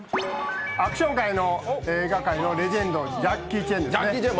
アクション界の映画界のレジェンド、ジャッキー・チェン。